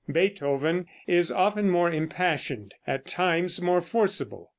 Beethoven is often more impassioned; at times more forcible.